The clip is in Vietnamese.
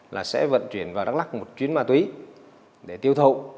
là sẽ vận chuyển vào đắk lắc một chuyến ma túy để tiêu thụ